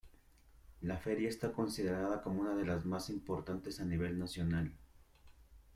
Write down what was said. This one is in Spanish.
La feria está considerada como una de las más importantes a nivel nacional.